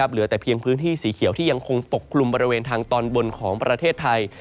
เหลือแต่เพียงพื้นที่สีเขียวที่ยังคงปกกลุ่มบริเวณทางตอนบนของประเทศไทย